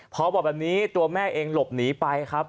พอบอกแบบนี้ตัวแม่เองหลบหนีไปครับ